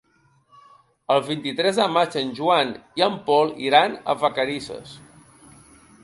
El vint-i-tres de maig en Joan i en Pol iran a Vacarisses.